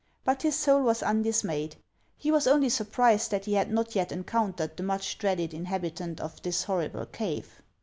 But his soul was undismayed. He was only surprised that he had not yet encountered the much dreaded inhabi tant of this horrible cave.